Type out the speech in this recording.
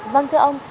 vâng thưa ông